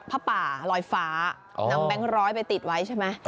ผ้าป่าลอยฟ้านำแบงค์ร้อยไปติดไว้ใช่ไหม